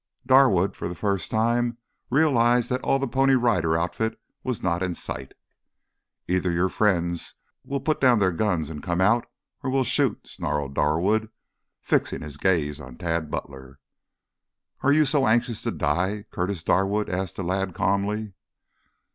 Darwood for the first time realized that all the Pony Rider outfit was not in sight. "Either your friends will put down their guns and come out or we'll shoot," snarled Darwood, fixing his gaze on Tad Butler. "Are you so anxious to die, Curtis Darwood?" asked the lad calmly.